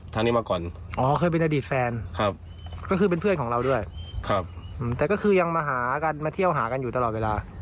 แต่ก็คือยังมาเที่ยวหากันอยู่ตลอดเวลา